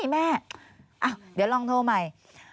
แม่เดี๋ยวลองโทรใหม่